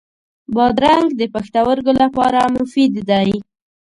بادرنګ د پښتورګو لپاره مفید دی.